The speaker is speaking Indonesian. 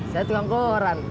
saya tukang koran